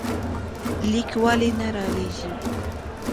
ليک ولې نه رالېږې؟